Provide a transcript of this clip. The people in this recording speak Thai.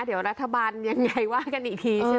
เดี๋ยวรัฐบาลยังไงว่ากันอีกทีใช่ไหม